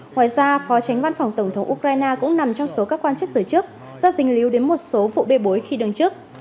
ngoài ra phó tránh văn phòng tổng thống ukraine cũng nằm trong số các quan chức từ chức do dình lý đến một số vụ bê bối khi đương chức